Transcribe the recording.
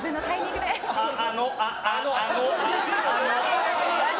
あっ、あの。